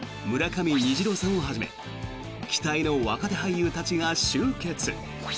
村上虹郎さんをはじめ期待の若手俳優たちが集結！